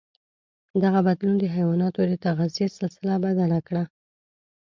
دغه بدلون د حیواناتو د تغذيې سلسله بدل کړه.